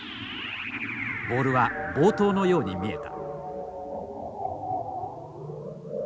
ボールは暴投のように見えた。